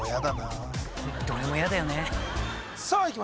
どれも嫌だよねさあいき